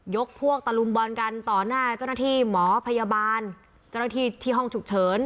พวกตะลุมบอลกันต่อหน้าเจ้าหน้าที่หมอพยาบาลเจ้าหน้าที่ที่ห้องฉุกเฉิน